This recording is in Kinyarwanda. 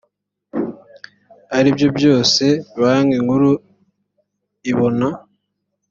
aribyo byose banki nkuru ibona